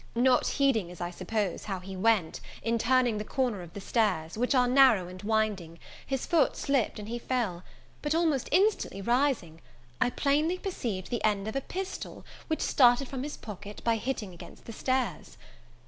Not heeding, as I suppose, how he went, in turning the corner of the stairs, which are narrow and winding, his foot slipped and he fell; but almost instantly rising, I plainly perceived the end of a pistol, which started from his pocket by hitting against the stairs.